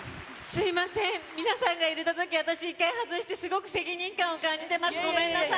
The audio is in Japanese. すみません、皆さんが入れたとき、私、一回外してすごく責任感を感じてます、ごめんなさい。